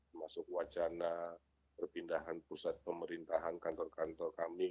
termasuk wacana perpindahan pusat pemerintahan kantor kantor kami